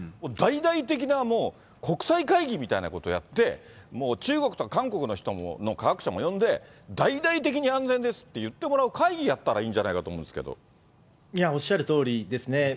大々的なもう、国際会議みたいなことをやって、もう中国とか韓国の人の科学者も呼んで、大々的に安全ですって言ってもらう会議やったらいいんじゃないかおっしゃるとおりですね。